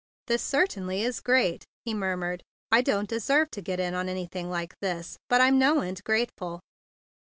"This certainly is great!" he mur¬ mured. "I don't deserve to get in on anything like this, but I'm no end grateful."